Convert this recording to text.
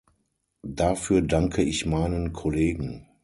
Dafür danke ich meinen Kollegen.